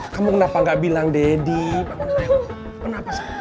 kamu kenapa gak bilang daddy